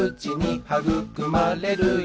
「はぐくまれるよ